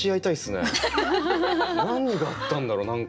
何があったんだろう何か。